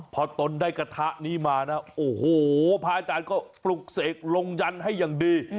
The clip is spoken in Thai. พอตนได้กระทะนี้มานะโอ้โหพระอาจารย์ก็ปลุกเสกลงยันให้อย่างดี